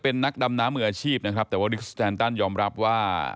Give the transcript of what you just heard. เป็นนักดำน้ำมืออาชีพนะครับแต่ว่าลิกสแตนตันยอมรับว่า